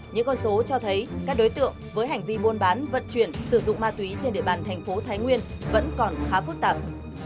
những con số cho thấy các đối tượng với hành vi buôn bán vận chuyển sử dụng ma túy trên địa bàn thành phố thái nguyên vẫn còn khá phức tạp